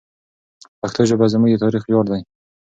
پښتو ژبه زموږ د تاریخ ویاړ دی.